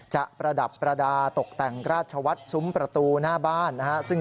จะประดับประดาตกแต่งราชวัฒน์ทรุ้งประตูหน้าบ้าน